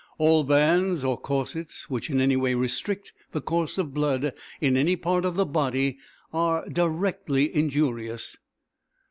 All bands or corsets which in any way restrict the course of the blood in any part of the body are directly injurious.